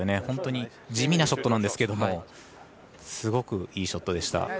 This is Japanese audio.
本当に地味なショットなんですけどすごくいいショットでした。